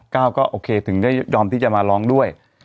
ก้าวก็โอเคถึงได้ยอมที่จะมาร้องด้วย